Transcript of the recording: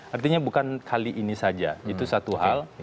artinya bukan kali ini saja itu satu hal